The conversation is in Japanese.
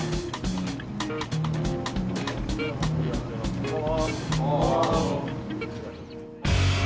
こんばんは。